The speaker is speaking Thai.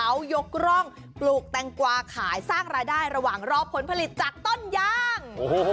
เขายกร่องปลูกแตงกวาขายสร้างรายได้ระหว่างรอผลผลิตจากต้นย่าง